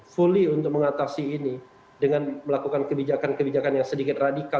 fully untuk mengatasi ini dengan melakukan kebijakan kebijakan yang sedikit radikal